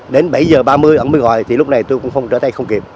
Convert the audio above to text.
đến bảy giờ ba mươi ổng mới gọi thì lúc này tôi cũng trở tay không kịp